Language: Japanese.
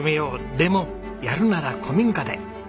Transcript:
でもやるなら古民家で。